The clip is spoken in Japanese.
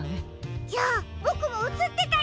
じゃあボクもうつってたりして！